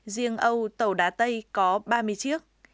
riêng âu tàu đá tây có ba mươi chiếc